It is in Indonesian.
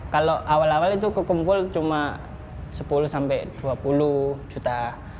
kalau awal awal itu kekumpul cuma sepuluh sampai dua puluh juta